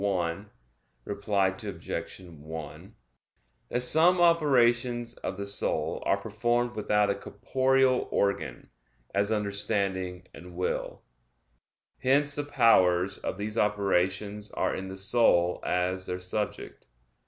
1, ad 1), that some operations of the soul are performed without a corporeal organ, as understanding and will. Hence the powers of these operations are in the soul as their subject.